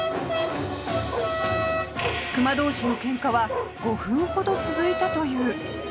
クマ同士のケンカは５分ほど続いたという